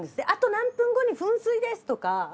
あと何分後に噴水ですとか。